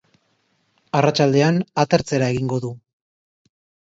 Arratsaldean, atertzera egingo du.